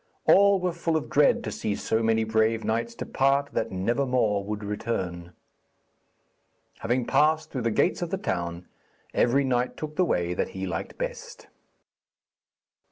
All were full of dread to see so many brave knights depart that never more would return. Having passed through the gates of the town, every knight took the way that he liked best.